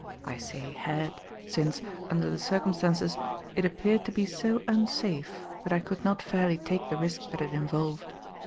I say "had," since, under the circumstances, it appeared to be so unsafe that I could not fairly take the risk that it involved.